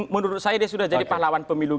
menurut saya dia sudah jadi pahlawan pemilu